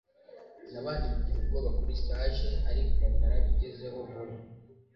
Nabanje kugira ubwoba kuri stage ariko narabigezeho vuba